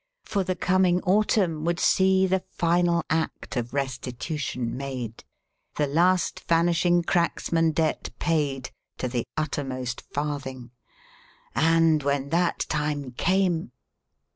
For the coming autumn would see the final act of restitution made, the last Vanishing Cracksman debt paid, to the uttermost farthing; and when that time came....